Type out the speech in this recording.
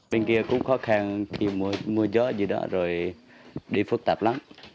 bên kia cũng khó khăn khi mưa gió gì đó rồi đi phức tạp lắm